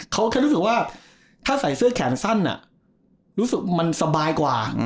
เขาแค่รู้สึกว่าถ้าใส่เสื้อแขนสั้นรู้สึกมันสบายกว่า